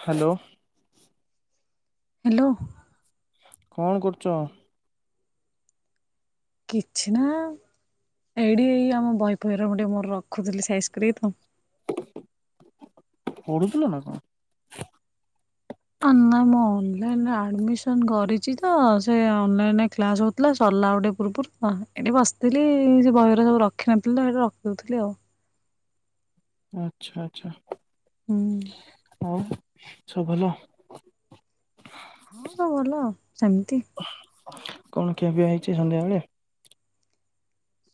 Hello. Hello. କଣ କରୁଛ? କିଛି ନା ଏଇଠି ଏଇ ଆମ ବହି ପହର ମୁ ଟିକେ ମୋର ରଖୁଥିଲି ସାଇଜ କରି ତ। ପଢୁଥିଲ ନା କଣ? ନା ମୁଁ ଅନଲାଇନରେ ଆଡ଼ମିସନ କରିଛି ତ ସେ ଅନଲାଇନରେ କ୍ଲାସଉ ଥିଲା ସରିଲା ଗୋଟେ ପୂର୍ବପରୁ ତ ଏଠି ବସିଥିଲି ସେ ବହିରେ ସବୁ ରଖିନଥିଲି ତ ସେଠି ରଖିଦଉଥିଲି ଆଉ। ଆଚ୍ଛା ଆଚଛା। ହୁଁ। ଆଉ ସବୁ ଭଲ? ହଁ ସବୁ ଭଲ ସେମତି। କଣ ଖିଆପିଆ ହେଇଛି ସନ୍ଧ୍ୟା ବେଳେ?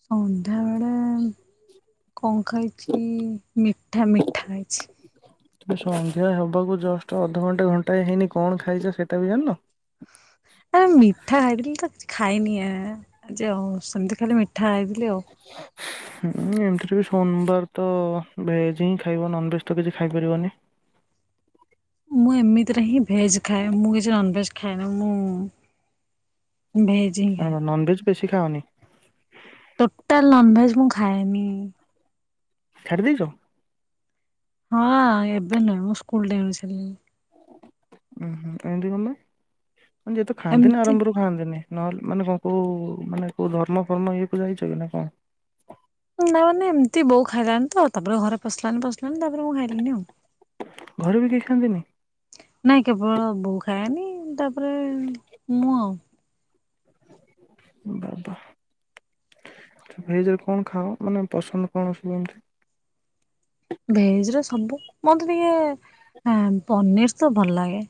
ସନ୍ଧ୍ୟାବେଳେ କଣ ଖାଇଛି ମିଠା, ମିଠା ଖାଇଛି। ଏବେ ସନ୍ଧ୍ୟା ହେବାକୁ ଜଷ୍ଟ ଅଧଘଣ୍ଟେ ଘଣ୍ଟାଏ ହେଇନି କଣ ଖାଇଛ ସେଟା ବି ଜାଣିନ। ଆରେ ମିଠା ଖାଇଥିଲି ତ କିଛି ଖାଇନି ଏ, ଯେ ଆଉ ସେମିତି ଖାଲି ମିଠା ଖାଇଥିଲି। ଆଉ ଆଚ୍ଛା। ହୁଁ, ଏମିତିରେ ବି ସୋମବାର ତ ଭେଜ୍ ହିଁ ଖାଇବ ନନଭେଜ୍ ତ କିଛି ଖାଇପାରିବନି। ମୁଁ ଏମିତିରେ ହିଁ ଭେଜ୍ ଖାଏ, ମୁଁ କିଛି ନନଭେଜ୍ ଖାଏନା। ମୁଁ ଭେଜ୍ ମାନେ କଣ ନନଭେଜ୍ ବେଶି ଖାଅନି? ଟୋଟାଲ ନନଭେଜ୍ ମୁଁ ଖାଏନି। ଛାଡ଼ି ଦେଇଛ? ହଁ ଏବେ ନୁହେଁ, ମୁଁ ସ୍କୁଲ୍ ଟାଇମ ରୁ ଛାଡିଲିଣି। ଉଁ, ହଁ ଏମିତି କଲେ, ଅଁ, ଯିଏ ତ ଖାଆନ୍ତିନି ଏମତି ଆରମ୍ଭରୁ ଖାଆନ୍ତିନି, ନହେଲେ ମାନେ କଣ କୋଉ ମାନେ କୋଉ ଧର୍ମ ଫର୍ମ ଇଏକୁ ଯାଇଛ କି ନା କଣ? ନା ମାନେ ଏମିତି ବୋଉ ଖାଇଲାନି ତ, ତାପରେ ଘରେ ପସିଲାନି ପସିଲାନି ତାପରେ ମୁଁ ଖାଇଲିନି ଆଉ। ଘରେ ବି କେହି ଖଆନ୍ତିନି? ନାଇଁ କେବଳ ବୋଉ ଖାଏନି, ତାପରେ ମୁଁ ଆଉ। ବାବା, [inaudible] ଭେଜ୍ ରେ କଣ ଖାଅ? ମାନେ ପସନ୍ଦ କଣ ସବୁ ଏମତି? ଭେଜ ରେ ସବୁ ମୋତେ ଟିକେ ଏଁ ପନିର୍ ତ ଭଲ ଲାଗେ।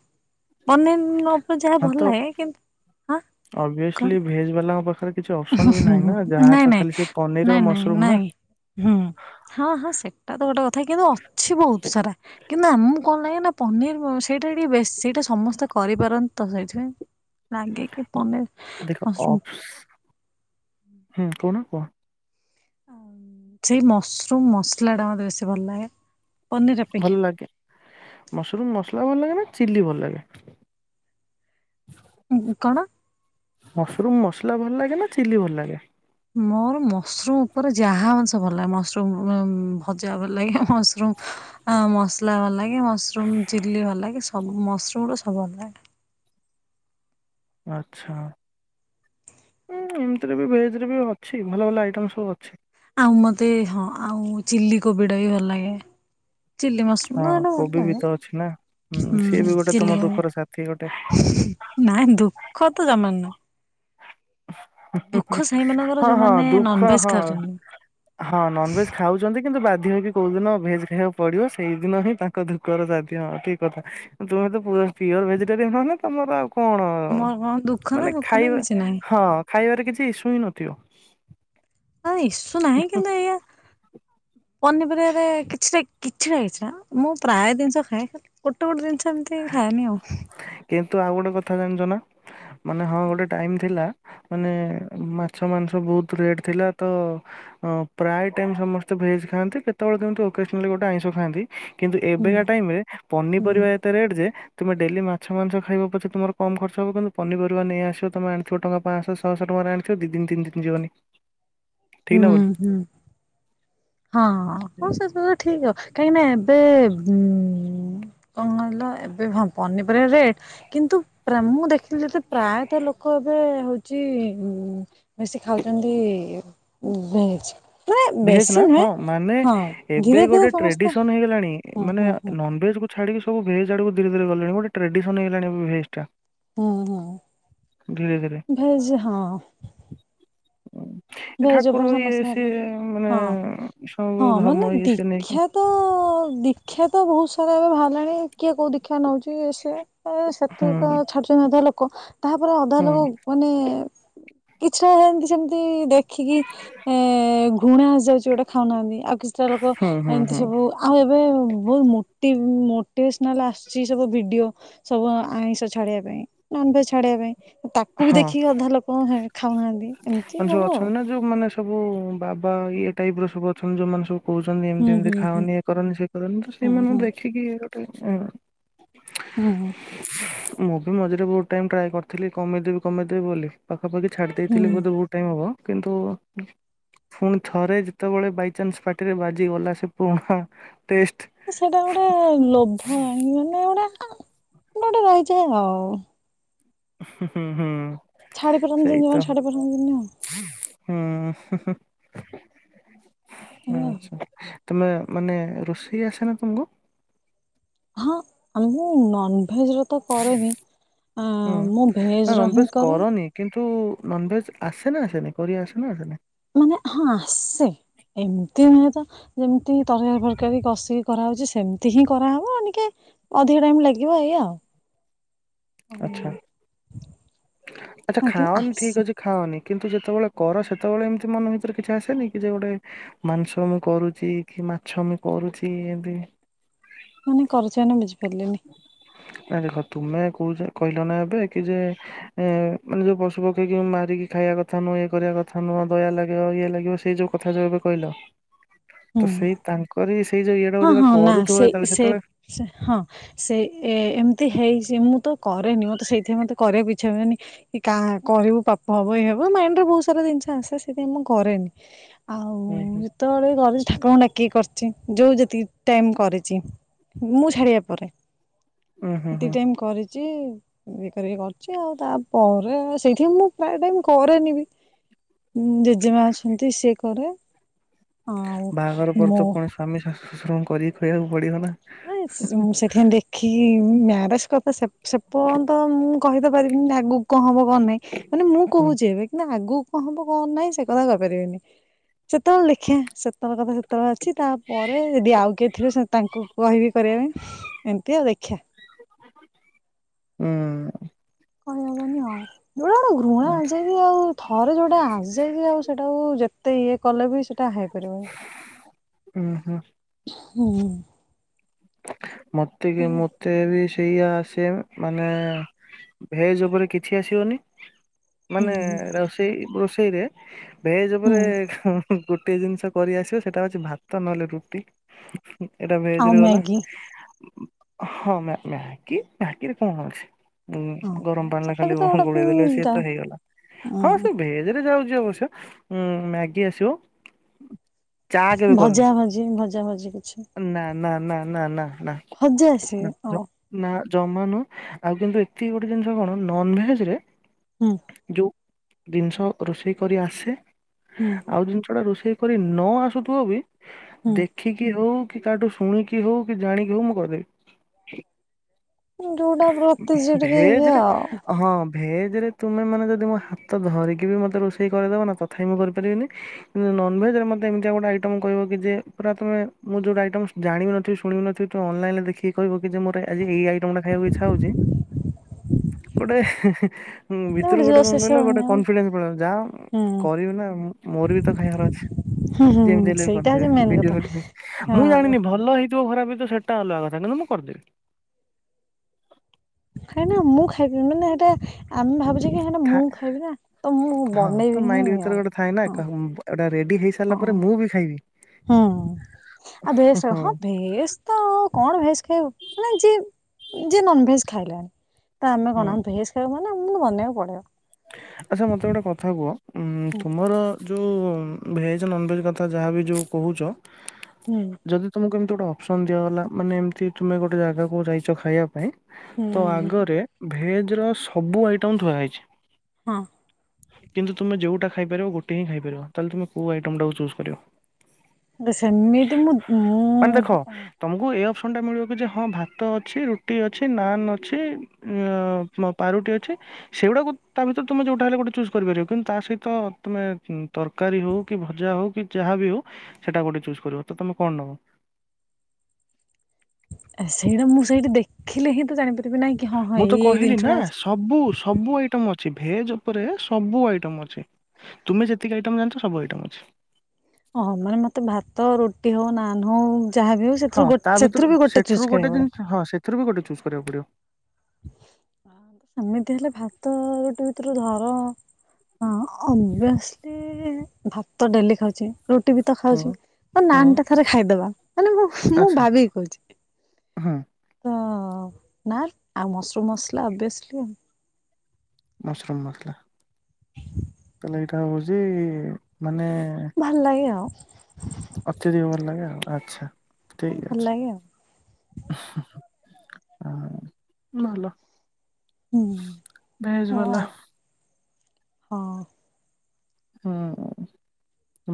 ମାନେ ମୋତେ ଯାହା ଭଲ ଭାତ ଲାଗେ କିନ୍ତୁ ଆଁ, ଅବଭିୟସଲି କଣ ଭେଜ୍ ବାଲାଙ୍କ ପାଖରେ କିଛି ଅପସନ୍ ବି ନାହିଁ ନା। ଯାହା ନାଇଁ ତ ନାଇଁ ଖାଲି ସେ ପନିର୍ ଆଉ ନାଇଁ ନାଇଁ ମସରୁମ୍ ନା। ନାଇଁ ହୁଁ, ହଁ, ହଁ, ସେଟା ତ ଗୋଟେ କଥା, କିନ୍ତୁ ଅଛି ବହୁତ ସାରା। କିନ୍ତୁ ଆମକୁ କଣ ଲାଗେ ନା ପନିର୍ ବ-ସେଇଟା ଟିକେ ବେଶ ସେଇଟା ସମସ୍ତେ କରିପାରନ୍ତି ତ ସେଇଥିପାଇଁ। ହ ନାଗେ କି ପନିର୍ ମସରୁମ୍। ହଁ କହୁନ କୁହ। ସେଇ ମସରୁମ୍ ମସଲାଟା ମୋତେ ବେଶୀ ଭଲ ଲାଗେ। ପନିର ଅପେକ୍ଷା ଭଲ ଲାଗେ। ମାସରୁମ୍ ମସଲା ଭଲ ଲାଗେ ନା ଚିଲ୍ଲି ଭଲ ଲାଗେ? ଏ ହେ କଣ? ମସରୁମ୍ ମସଲା ଭଲ ଲାଗେ ନା, ଚିଲି ଭଲ ଲାଗେ? ମୋର ମସରୁମ୍ ଉପରେ ଯାହା ଅଂଶ ଭଲ ଲାଗେ ମସରୁମ୍ [unintelligible] ଭଜା ଭଲ ଲାଗେ, ମସ ସରୁମ୍ ଅଁ, ମସଲା ଭଲ ଲାଗେ, ମସରୁମ୍ ଚିଲ୍ଲି ଭଲ ଲାଗେ, ସବୁ ମସରୁମ୍ ର ସବୁ ଭଲ ଲାଗେ। ଆଚ୍ଛା। ଏ ଏମିତିରେ ବି ଭେଜ୍ ରେ ବି ଅଛି ଭଲ ଭଲ ଆଇଟମ୍ ସବୁ ଅଛି। ଆଉ ମୋତେ ହଁ ଆଉ ଚିଲ୍ଲି କୋବି ଟା ବି ଭଲ ଲାଗେ। ଚିଲ୍ଲି ମସୃମ୍ ହଁ ସେଟା ତ ଭଲ କୋବି ବି ଲାଗେ। ତ ଅଛି ନା ହୁଁ, ସିଏ ବି ଗୋଟେ ତୁମ ଦୁଃଖର ସାଥି ଗୋଟେ। ନାଇଁ ଦୁଃଖ ତ ଜମା ନୁହେଁ। ସେଇମାନଙ୍କର ହଁ ହଁ ଯୋଉମାନେ ଦୁଃଖ ନନଭେଜ ହଁ ଖାଉଛନ୍ତି। ହଁ ନନଭେଜ୍ ଖାଉଛନ୍ତି କିନ୍ତୁ ବାଧ୍ୟ ହେଇକି କୋଉ ଦିନ ଭେଜ୍ ଖାଇବାକୁ ପଡିବ। ସେଇଦିନ ହିଁ ତା ଙ୍କ ଦୁଃଖର ସାଥି ହଁ ଠିକ କଥା, ତୁମେ ତ ପୁ-ପିଓର୍ ଭେଜିଟେରିୟାନ୍ ହନା ତୋମର ଆଉ କଣ ମୋର କଣ ଦୁଃଖ ନା ମାନେ ସୁଖ ନା ଖାଇବା, କିଛି ନାହିଁ। ହଁ ଖାଇବାରେ କିଛି ଇସୁ ହିଁ ନଥିବ। ହଁ ଇସୁ ନାହିଁ, କିନ୍ତୁ ଏଇଆ ପନିପରିବାରେ କିଛିଟା କିଛିଟା କିଛିଟା ମୁଁ ପ୍ରାୟ ଜିନିଷ ଖାଏ। ଖାଲି ଗୋଟେ ଗୋଟେ ଜିନିଷ ଏମିତି ଖାଏନି ଆଉ। କିନ୍ତୁ ଆଉ ଗୋଟେ କଥା ଜାଣିଚ ନା, ମାନେ ହଁ ଗୋଟେ ଟାଇମ୍ ଥିଲା। ମାନେ ମାଛ ମାଂସ ବହୁତ ରେଟ ଥିଲା ତ ପ୍ରାୟ ଟାଇମ ସମସ୍ତେ ଭେଜ ଖାଆନ୍ତି କେତେବେଳେ କେମତି ଓକେଜଗ୍ନାଲୀ ଗୋଟେ ଆଇଁଷ ଖାଆନ୍ତି। କିନ୍ତୁ ହୁଁ ଏବେକା ଟାଇମରେ ହୁଁ ପନିପରିବା ଏତେ ରେଟ୍ ଯେ ତୁମେ ଡେଲି ମାଛ ମାଂସ ଖାଇବ ପଛେ ତମର କମ୍ ଖର୍ଚ୍ଚ ହବ କିନ୍ତୁ ପନିପରିବା ନେଇ ଆସିବ ତମେ ଆଣିଥିବ ଟଙ୍କା ପାଞ୍ଚଶହ ଛଅଶହ ଟଙ୍କାରେ ଆଣିଥିବ ଦି ଦିନ ତିନି ଦିନ ଯିବନି। ଠିକ୍ ନା ହୁଁ ଭୁଲ୍? ହୁଁ। ହଁ ହଁ ସେବୁ ତ ଠିକ କାହିଁକି ନା ଏବେ ଉ କଣ କହିଲ ଏବେ ହ ପନିପରିବା ରେଟ କିନ୍ତୁ ପ୍ରା ମୁଁ ଦେଖିଲି ଯେତେବେଳେ ପ୍ରାୟତଃ ଲୋକ ଏବେ ହଉଛି ଉ ବେଶୀ ଖାଉଛନ୍ତି ଭେଜ। ମାନେ ଭେଜ ବେଶୀ ନା ନୁହେଁ ହଁ ମାନେ ହଁ ଧୀରେ ଏବେ ଧୀରେ ଗୋଟେ ସମସ୍ତେ ଟ୍ରେଡିସନ ହେଇଗଲାଣି ହଁ ମାନେ ହଁ ହଁ ନ ନନ୍ ଭେଜକୁ ଛାଡିକି ସବୁ ଭେଜ ଆଡକୁ ଧରେ ଧୀରେ ଗଲାଣି ଗୋଟେ୍ ଟ୍ରେଡିସନ ହେଇଲାଣି ଏ ଭେଜ ଟା। ହୁଁ ଧୀରେ ଧୀରେ। ହୁଁ ଭେଜ ହଁ। ଏ ଭେଜ ଠାକୁର ଉପରେ ଇଏ ସମସ୍ତେ ହେଲେ ସିଏ ମାନେ ହଁ ସବୁୁ ଧର୍ମ ଇଏ ସିଏ ନେଇକି। ଦେ ତ ଦୀକ୍ଷା ତ ବହୁତ ସାରା ଏବେ ବାହାରିଲାଣି କିଏ କୋଉ ଦୀକ୍ଷା ନଉଛି ଇଏ ସିଏ। ସେତକା ହୁଁ। ଛାଡୁଛନ୍ତି ଅଧା ଲୋକ ତାପରେ ଅଧା ହୁଁ ଲୋକ ମାନେ କିଛି ଟା ଯେମିତି ସେମିତି ଦେ ରଖିକି ଏ ଘୃଣା ଆସିଯାଉଛି ଗୋଟେ ଖାଉନାହାନ୍ତି ଆଉ କିଛିଟା ଲୋକ ହୁଁ ହୁଁ ଏମିତି ହୁଁ ସବୁ ଆଉ ଏବେ ବହୁତ ମୋଟି ମୋଟିଭେସନାଲ ଆଶୁଛି ସବୁ ଭିଡିଓ। ସବୁ ଆଇଁଷ ଛାଡିବା ପାଇଁ ନନଭେଜ ଛାଡିବା ପାଇଁ। ତାକୁ ବି ହଁ ଦେଖିକି ଅଧା ଲୋକ ଖାଉନାହାନ୍ତି ଏମିତି ମାନେ ସବୁ ଆଉ। ଅଛନ୍ତି ନା ଯୋଉ ମାନେ ସବୁ ବାବା ଇଏ ଟାଇପ ର ସବୁ ଅଛନ୍ତି ଯୋଉମାନେ ସବୁ କହୁଛନ୍ତି ହୁଁ ଏମିତି ହୁଁ ଏମିତି ହୁଁ ଖାାଉନି ଏ କରନି ସେ କରନି ତ ହୁଁ ସେଇମାନଙ୍କୁ ହୁଁ ଦେଖିକି ଗୋଟେ ହୁଁ ହୁଁ। ମୁଁ ବି ମଝିରେ ବହୁତ ଟାଇମ ଟ୍ରାଏ କରିଥିଲି କମେଇଦେବି କମେଇଦେବି ବୋଲି ପାଖାପାଖି ଛାଡି ହୁଁ। ଦେଇଥିଲି ବୋଧେ ବହୁତ ଟାଇମ ହବ କିନ୍ତୁ ପୁଣି ଥରେ ଯେତେବେଳେ ବାଇଚାନ୍ସ ପାଟିରେ ବାଜିଗଲା ସେ ପୁରୁଣା ଟେଷ୍ଟ ସେଇଟା ଗୋଟେ ଲୋଭ ଆଣି ମାନେ ଗୋଟେ ଆ ଗୋଟେ ରହିଛି ଆଉ। ହୁଁ ହୁଁ ହୁଁ। ଛାଡ଼ି ସେଇ ପାରନ୍ତିିନି ଜମା, ତ ଛାଡି ପାରନ୍ତିିନି ଆଉ। ହୁଁ ହୁଁ ହୁଁ ଏଇଆ ଆଉ। ଆଚ୍ଛା। ତମେ ମାନେ ରୋଷେଇ ଆସେ ନା ତମକୁ? ହଁ ଆମକୁ ନନଭେଜରେ ତ କରେନି ହୁଁ ଆଁ ମୁଁ ନା ଭେଜ୍ ର ନନଭେଜ ହିଁ କରେ ତ କରନି କିନ୍ତୁ ନନଭେଜ ଆସେ ନା ଆସେନି କରି ଆସେ ନା ଆସେନି? ମାନେ ହଁ ଆସେ ଏମତି ନୁହେଁ ତ ଯେମିତି ତରକାରୀ ଫରକାରୀ କଷିକି କରାହେଉଛି ସେମିତି ହିଁ କରାହବ ଟିକେ ଅଧିକ ଟାଇମ ଲାଗିବ ଏୟା ଆଉ। ଆଚ୍ଛା ହୁଁ। ଆଚ୍ଛା ଖାଅନି ଠିକ ଅଛି ଖାଅନି କିନ୍ତୁ ଯେତେବେଳେ କର ସେତେବେଳେ ଏମିତି ମନ ଭିତରେ କିଛି ଆସେନି କି ଯେ ଗୋଟେ ମାଂସ ମୁଁ କରୁଛି କି ମାଛ ମୁଁ କରୁଛି ଏବେ। ମାନେ କରୁଛି ମାନେ ବୁଝିପାରିଲିନି [unintelligible] ନାଇ ଦେଖ ତୁମେ କହୁଚ କହିଲ ନା ଏବେ କି ଯେ ଏ ମାନେ ଯୋଉ ପଶୁ ପକ୍ଷୀ କି ମାରିକି ଖାଇବା କଥା ନୁହଁ ଇଏ କରିବା କଥା ନୁହଁ ଦୟା ଲାଗିବ ଇଏ ଲାଗିବ ସେଇ ଯୋଉ କଥା ଯୋଉ ଏବେ କହିଲ। ତ ହୁଁ। ସେଇ ତାଙ୍କରି ସେଇ ଯୋଉ ଇଏଟାକୁ ହଁ ଯେତେବେଳେ ହଁ ନା କରୁଥିବ ସେଇ ଯେତେବେଳେ ସେ ସେତେବେଳେ ସେ ହଁ। ସେଇ ଏ ଏମିତି ହେଇଛି ମୁଁ ତ କରେନି ମତେ ସେଇଥିପାଇଁ ମତେ କରିବାକୁ ଇଛା ହୁଏନି। କି କାହା କରିବୁ ପାପ ହବ ଏଇ ହବ ମାଇଣ୍ଡରେ ବହୁତ ସାରା ଜିନିଷ ଆସେ ସେଇଥିପାଇଁ ମୁଁ କରେନି। ଆଉ ହୁଁ ହୁଁ ଯେତେବେଳେ କରିଛି ଠାକୁରଙ୍କୁ ଡାକିକି କରିଛି। ଯେଉଁ ଯେତିକି ଟାଇମ୍ କରିଛି ମୁଁ ଛାଡ଼ିବା ପରେ। ଉୁଁ ହୁଁ [unintelligible] ହୁଁ ଟାଇମ୍ କରିଛି [unintelligible] କରିକି କରିଛି ଆଉ ତାପରେ ସେଇଥିପାଇଁ ମୁଁ ପ୍ରାୟ ଟାଇମ୍ କରେନି ବିି। ଉଁ ଜେଜେମା ଅଛନ୍ତି ସିଏ କରେ। ଆଉ ବାହାଘର ପରେ ତ ମୁଁ ପୁଣି ସ୍ଵାମୀ, ଶାଶୁ, ଶଶୁରଙ୍କୁ କରିକି ଖୁଆବାକୁ ପଡିଅ ନା। ଆ ସେଥିପାଇଁ ଦେଖିକି ମ୍ୟାରେଜ କଥା ସେ ସେପର୍ଯ୍ୟନ୍ତ ମୁଁ କହି ତ ପାରିବିନି ଆଗକୁ କଣ ହବ କଣ ନାହିଁ ମାନେ ମୁଁ ହୁଁ କହୁଛି ଏବେ କିନ୍ତୁ ଆଗକୁ ହଁ ମୁଁ କଣ ନାହିଁ ସେ କଥା କହିପାରିବିନି। ସେତେବେଳେ ଦେଖିବା ସେତେବେଳେ କଥା [unintelligible] ଅଛି ତାପରେ ଯଦି ଆଉ କିଏ ଥିବେ ସେ ତାଙ୍କୁ କହିବି କରିବା ପାଇଁ ଏମିତି ଆଉ ଦେଖିବା। ହୁଁ କହିହବନି ଆଉ ଯୋଉଟା ଗୋଟେ ଘୃଣା ଆସିଯାଇଛି ଆଉ ଥରେ ଯୋଉଟା ଆସିଯାଇଛି ଆଉ ସେଇଟାକୁ ଯେତେ ମତେ ଇଏ କଲେ ବି ସେଇଟା ହେଇପାରିବନି। ଉହୁଁ ହୁଁ ମୋତେ ବି ମୁଁ ମତେ ବି ସେଇଆ ସେମ୍ ମାନେ ଭେଜ ଉପରେ କିଛି ଆସିବନି। ହୁଁ ମାନେ ରୋଷେଇ ରୋଷେଇରେ ଭେଜ ହୁଁ ଉପରେ [unintelligible] ଗୋଟିଏ ଜିନିଷ କରି ଆସିବ ସେଇଟା ଅଛି ଭାତ ନହେଲେ ରୁଟି ଏଇଟା ଆଉ ଭେଜରେ ଗଲା। ମ୍ୟାଗି ଉ ଉ ହଁ ମ୍ୟା ମ୍ୟାଗି ମ୍ୟାଗିରେ କଣ ଅଛି। ହଁ ଉଁ ଗରମ ପାଣିରେ ସେଟା ବି ତ ଖାଲି ଗୋଳେଇ ଦେଲେ ସିଏ ଗୋଟେ ତ ହେଇଗଲା ଉଁ ହଁ ସେ ଭେଜ ରେ ଯାଉଛି ଅବଶ୍ୟ। ଉୁଁ ମ୍ୟାଗୀ ଆସିବ। ଚା କେବେ କରିନି। ଭଜା ଭଜି ଭଜା ଭଜି କିଛି? ନା, ନା, ନା, ନା, ନା, ନା ନା ଜ [unintelligible] ନା ଜମା ନୁ ଆଉ କିନ୍ତୁ ଏତିକି ଗୋଟେ ଜିନିଷ କଣ ନନଭେଜ ରେ ହୁଁ ଯୋଉ ଜିନିଷ ରୋଷେଇ କରି ଆସେ ହୁଁ ଆଉ ଜିନିଷ ଟା ରୋଷେଇ କରି ନ ଆସୁଥିବ ବି ହୁଁ ଦେଖିକି ହଉ କି କାହାଠୁ ଶୁଣିକି ହଉ କି ଜାଣିକି ହଉ ମୁଁ କରିଦେବି। ଯୋଉଟା ପ୍ରତି ଯିଏ ଟିକେ ଇଏ ଭେଜରେ ଆଉ ହଁ ଭେଜରେ ତୁମେ ମାନେ ଯଦି ମୋ ହାତ ଧରିକି ବି ମୋତେ ରୋଷେଇ କରିଦେବ ନା ତଥାପି ମୁଁ କରିପାରିବିନି। କିନ୍ତୁ ନନଭେଜ ରେ ମତେ ଏମିତି ଗୋଟେଇଟମ କହିବ କି ଯେ ପୁରା ତମେ ମୁଁ ଯେଉଁଟ ଆଇଟମ ଜାନିନଥିବି ଶୁଣିନଥିବ ତୁ ଅନଲାଇନରେ ଦେଖିକି କିବ କି ଯେ ମୋର ଆଜି ଏଇ ଆଇଟମ ଟା ଖାଇବା ଇଚ୍ଛା ହେଉଛି ଗୋଟେ ହୁଁ ଭିତରୁ ଗୋଟେ ଜୋସ୍ କଣ ଆସିବ କହିଲେ ଗୋଟେ ବନେଇବାକୁ କନଫିଡେନ୍ସ ପଳ ଯା ହୁଁ କରିବି ନା ମୋର ବି ତ ଖାଇବାର ଅଛି। ହୁଁ ହୁଁ ଯେମିତି ହେଲେ ବି ସେଇଟା ହଉଛି କରିଦେବେ ମେନ୍ କଥା ଭିଡିଓ [unintelligible] [unintelligible] ମୁଁ ହଁ ଜାଣିନି ଭଲ ହେଇଥିବ ଖରାପ ହେଇଥ ସେଟା ଅଲଗ କଥା କିନ୍ତୁ ମୁଁ କରିଦେବି। ଖାଇନା ମୁଁ ଖାଇବିନି ହେଟା ଆମେ ଭାବୁଛେ କି ହେ ମୁଁ ଥା- ଖାଇବି ନା ତ ମୁଁ ବନେଇବି ହିଁ ହଁ ଟା ରେଡି ହେଇ ହଁ ହୁଁ ଆ ବେଶ ହଁ ବେଶ ତ କଣ ଭେଜ ଖାଇବ ମାନେ ଯିଏ ଯି ନନ ଭେଜ ଖାଇଲା ତ ଆମେ ହୁଁ କଣ ଭେଜ୍ ଖାଇବା ମାନେମକୁ ବନେଇକୁ ପଡିବ। ହ ଆଚ୍ଛା ମୋତେ ଗୋଟେ କଥା କୁହ ହୁଁ ତୁମର ଯେଉଁ ଭେଜ୍ ନନଭେଜ୍ କଥା ଯାହାବି ଯେଉଁ କହୁଛ। [inaudible] ନେନା। ଯଦି ତୁମକୁ ଏମିତି ଗୋଟେ ଅପ୍ସନ୍ ଦିଆଗଲା ମାନେ ଏମିତି ତୁମେ ଗୋଟେ ଜାଗାକୁ ଯାଇଛ ଖାଇବା ପାଇଁ ତ ହୁଁ ଆଗରେ ଭେଜ ର ସବୁ ଆଇଟମ ଥୁଆ ହେଇଛି। ହଁ। କିନ୍ତୁ ତୁମେ ଯୋଉଟା ଖାଇପାରିବ ଗୋଟିଏ ହିଁ ଖାଇ ପାରିବ ତାହେଲେ ତୁମେ କୋଉ ଆଇଟମ ଟାକୁ ଚୁଜ କରିବ? ମୁଁ ତ ସେମିତି ମୁ ମୁଁ ମାନେ ଦେଖ ତମକୁ ଏଇ ଅପସନ୍ ଟା ମିଳିବ କି ଯେ ହଁ ଭାତ ଅଛି, ରୁଟି ଅଛି, ନାନ୍ ଅଛି, ଏଁ ମ ପାରୁଟି ଅଛି, ସେଗୁଡାକୁ ତା ଭିତରେ ତମେ ଯୋଉଟା ହେଲେ ଗୋଟେ ଚୁଜ୍ କରିପାରିବ କିନ୍ତୁ ତା ସହିତ ତମେ ତରକାରୀ ହଉ କି ଭଜା ହଉ କି ଯାହା ବି ହଉ ସେଟା ଗୋଟେ ଚୁଜ୍ କରିବ, ତମେ କଣ ନବ? ସେଇଟା ମୁଁ ସେଇଠି ଦେଖିଲେ ହିଁ ତ ଜାଣିପାରିବି ନାହିଁ କି ହଁ ହଁ ମୁଁ ତ ଏଇ ଏଇ କହିଲି ନା ଜିନିଷଟା ଅଛି। ସବୁ ସବୁ ଆଇଟମ ଅଛି, ଭେଜ ଉପରେ ସବୁ ଆଇଟମ୍ ଅଛି। ତୁମେ ଯେତିକି ଆଇଟମ୍ ଜାଣିଛ ସବୁଇଟମ୍ ଅଛି। ଓହୋ ମାନେ ମତେ ଭାତ, ରୁଟି ହଉ, ନାନ ହଉ ଯାହାବ ହଉଛି ହଁ ତା ଭିତରୁ ସେଥିରୁ ଗୋଟେ ଜିନିଷ ହଁ ସେଥିରୁ ବି ଗୋଟେ ଚୁଜ୍ କରିବାକୁ ପଡିବ। ଏମିତି ହେଲେ ଭାତ ଗୋଟେ ଭିତରୁ ଧର। ହଁ ଅଭିଅସଲି ଭାତ ଡେଲି ଖାଉଛି। ରୁଟି ବି ତ ହଁ ଖାଉଛି ଆ ହଁ। ନାନୁ ଟା ଥରେ ଖାଇଦବା, ମାନେ ମୁଁ ମୁଁ ଭାବିିକି କହୁଛି। ହୁଁ। ତ ନା ଆଉ ମସରୁମ ମସଲା ସବେଶଲି ମସୁରୁମ ମସଲା। [inaudible] ତାହେଲେ ଏଇଟା ହଉଛି ମାନେ ଭଲ ଲାଗେ ଆଉ। ଅତ୍ୟଧିକ ଭଲ ଲାଗେ ଆଉ ଆଚ୍ଛା ଠିକ୍ ଭଲ ଅଛି। ଲାଗେ ଆଉ ଉହୁଁ ଆ ଭଲ। ହୁଁ ଭେଜ ଏୟା ବାଲା ଆଉ ହଁ। ହୁଁ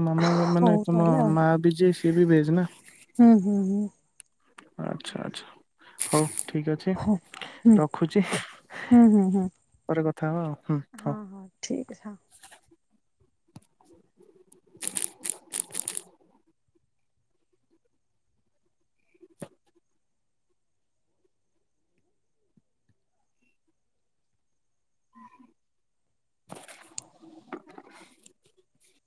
ମାମା ହଉ ମାନେ ତମ ତାହେଲେ ଆଉ ମା ବି ଯିଏ ସିଏ ବି ଭେଜ ନା? ହୁଁ ହୁଁ ହୁଁ। ଆଚ୍ଛା ଆଛା ହଉ ଠିକ୍ ଅଛି। ହଁ ଛି ହୁଁ ରଖୁଛି ହୁଁ ହୁଁ ହୁଁ ପରେ କଥା ହବ ଆଉ ହୁଁ ହଉ। ହଁ ହଁ ଠିକ୍ ସା ଉ। [inaudible]